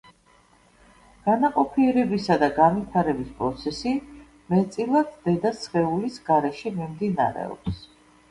განაყოფიერებისა და განვითარების პროცესი მეტწილად დედა სხეულის გარეშე მიმდინარეობს.